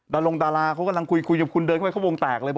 รงดาราเขากำลังคุยคุยกับคุณเดินเข้าไปเขาวงแตกเลย